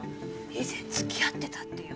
以前付き合ってたって言うの。